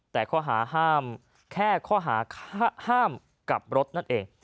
แต่ข้อหาห้ามแค่ข้อหาห้ามกลับรถนั่นเอง